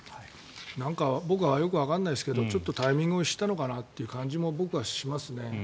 なんか、僕はよくわからないですけどちょっとタイミングを失ったのかなという感じも僕はしますね。